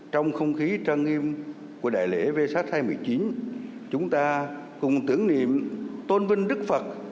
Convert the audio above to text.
trong không khí trang nghiêm của đại lễ vê sắc hai nghìn một mươi chín chúng ta cùng tưởng niệm tôn vinh đức phật